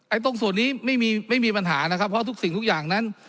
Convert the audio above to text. ตรงส่วนนี้ไม่มีไม่มีปัญหานะครับเพราะทุกสิ่งทุกอย่างนั้น